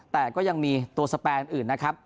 แต่ก็ยังมีตัวสแปนอื่นนะครับ